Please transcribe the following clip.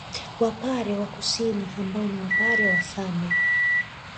Wapare wa Kusini ambao ni Wapare wa Same